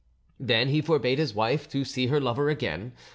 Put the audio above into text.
Then he forbade his wife to see her lover again.